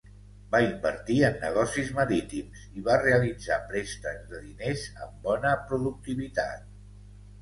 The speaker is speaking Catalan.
Va invertir en negocis marítims i va realitzar préstecs de diners amb bona productivitat.